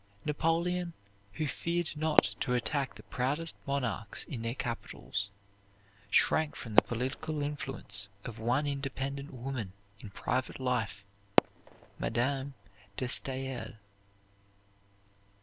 Napoleon, who feared not to attack the proudest monarchs in their capitols, shrank from the political influence of one independent woman in private life, Madame de Staël.